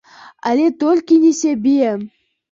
Але толькі не сябе.